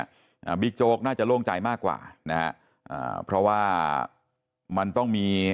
อ่าบิ๊กโจ๊กน่าจะโล่งใจมากกว่านะฮะอ่าเพราะว่ามันต้องมี